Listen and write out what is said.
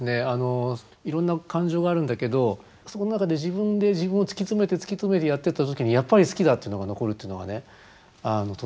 いろんな感情があるんだけどその中で自分で自分を突き詰めて突き詰めてやっていった時にやっぱり好きだっていうのが残るというのがねとってもいいなと思って。